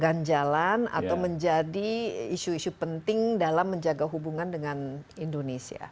ganjalan atau menjadi isu isu penting dalam menjaga hubungan dengan indonesia